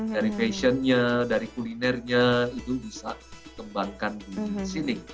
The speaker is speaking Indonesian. dari fashionnya dari kulinernya itu bisa dikembangkan di sini